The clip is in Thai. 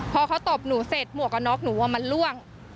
พอเขาตบหนูเสร็จหมวกกับน็อกหนูมันล่วง